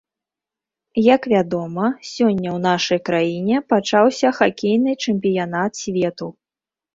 Як вядома, сёння ў нашай краіне пачаўся хакейны чэмпіянат свету.